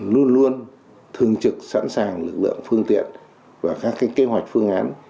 luôn luôn thường trực sẵn sàng lực lượng phương tiện và các kế hoạch phương án